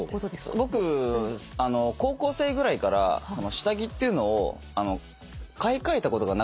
僕高校生ぐらいから下着っていうのを買い替えたことがなくてですね。